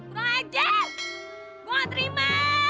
gue nggak terima